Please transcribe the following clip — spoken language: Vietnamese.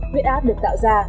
huyết áp được tạo ra